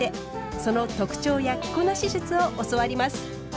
その特徴や着こなし術を教わります。